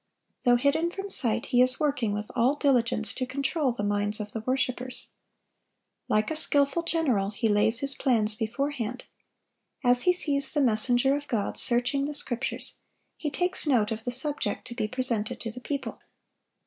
Though hidden from sight, he is working with all diligence to control the minds of the worshipers. Like a skilful general, he lays his plans beforehand. As he sees the messenger of God searching the Scriptures, he takes note of the subject to be presented to the people.